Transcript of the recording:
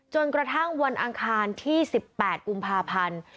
จนกระทั่งวันอังคารที่๑๘กุมภาพันธ์